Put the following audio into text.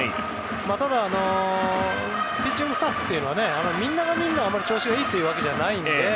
ただピッチングスタッフというのはみんながみんな同じように調子がいいわけではないので。